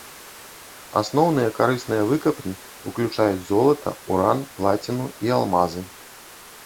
Асноўныя карысныя выкапні ўключаюць золата, уран, плаціну і алмазы.